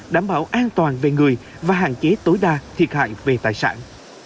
đảm bảo an toàn về người và hạn chế tối đa thiệt hại về tài sản